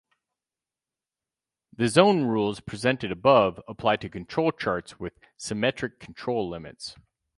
The zone rules presented above apply to control charts with symmetric control limits.